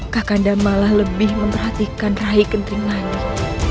kakanda malah lebih memperhatikan rai kentering manik